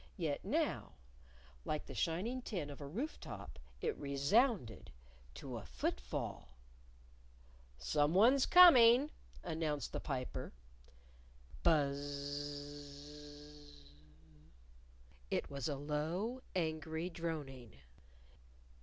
Yet now (like the shining tin of a roof top) it resounded to a foot fall! "Some one's coming!" announced the Piper. Buzz z z z! It was a low, angry droning.